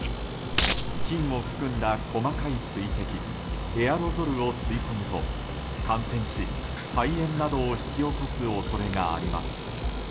菌を含んだ細かい水滴エアロゾルを吸い込むと感染し、肺炎などを引き起こす恐れがあります。